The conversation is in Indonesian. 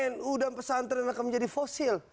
nu dan pesantren akan menjadi fosil